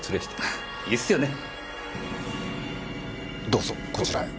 どうぞこちらへ。